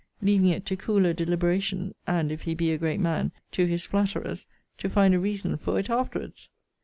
Leaving it to cooler deliberation, (and, if he be a great man, to his flatterers,) to find a reason for it afterwards?